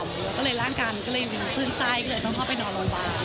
แล้วก็เลยร่างการก็เรียนขึ้นซ้ายขึ้นเหลือเพราะไปนอนหมด